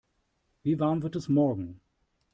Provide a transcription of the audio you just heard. Wie warm wird es morgen?